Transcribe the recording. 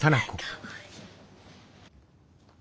かわいい。